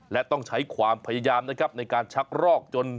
และต้องใช้ความพยายามนะครับ